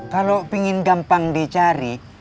kalau pingin gampang dicari